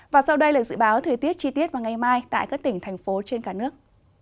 và sau đây là dự báo thời tiết chi tiết vào ngày mai tại các tỉnh thành phố trên cả nước